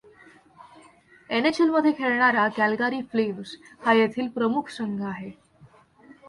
N. H. L. मध्ये खेळणारा Calgary Flames हा येथील प्रमुख संघ आहे.